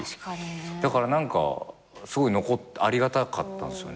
だから何かすごいありがたかったんですよね。